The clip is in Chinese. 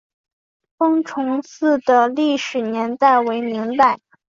封崇寺的历史年代为明代。